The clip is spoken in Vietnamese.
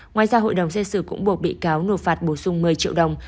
ngoài ra hội đồng xét xử cũng buộc bị cáo nộp phạt bổ sung một mươi triệu đồng